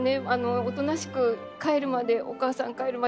おとなしく帰るまでお母さん帰るまで待っててねって。